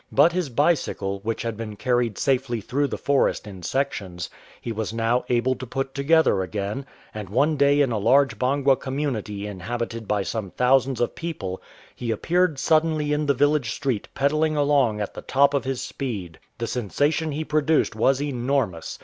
But his bicycle, which had been carried safely through the forest in sections, lie was now able to put together again, and one day in a large Bangwa community inhabited by some thousands of people he appeared suddenly in the village street pedal ling along at the top of his speed. The sensation he produced was enormous.